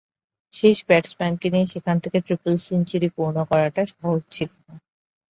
শেষ ব্যাটসম্যানকে নিয়ে সেখান থেকে ট্রিপল সেঞ্চুরি পূর্ণ করাটা সহজ ছিল না।